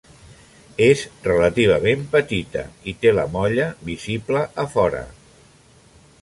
És relativament petita i té la molla visible a fora.